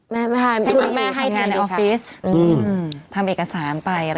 แม่ให้ทำงานในออฟฟิศทำเอกสารไปอะไรอย่างนี้